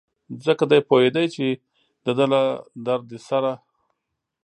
ځکه دی پوهېده چې دده له درد سره.